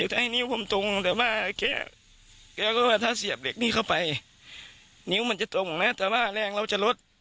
แกก็รู้ว่าถ้าเสียบเหล็กนี้เข้าไปนิ้วมันจะตรงนะแต่ว่าแรงเราจะลด